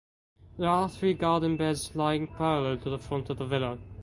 There are three garden beds lying parallel to the front of the villa.